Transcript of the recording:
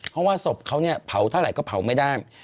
เพราะว่าศพเขาเนี่ยเผาเท่าไหร่ก็เผาไม่ได้